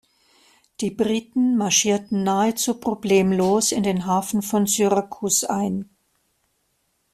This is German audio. Die Briten marschierten nahezu problemlos in den Hafen von Syrakus ein.